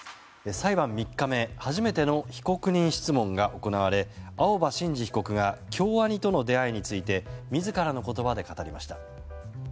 裁判３日目初めての被告人質問が行われ青葉真司被告が京アニとの出会いについて自らの言葉で語りました。